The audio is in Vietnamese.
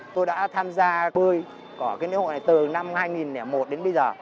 tôi đã tham gia bơi ở cái lễ hội này từ năm hai nghìn một đến bây giờ